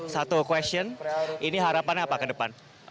satu question ini harapannya apa ke depan